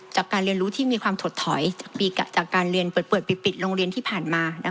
จากการเรียนรู้ที่มีความถดถอยจากการเรียนเปิดไปปิดโรงเรียนที่ผ่านมา